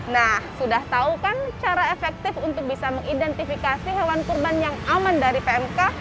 nah sudah tahu kan cara efektif untuk bisa mengidentifikasi hewan kurban yang aman dari pmk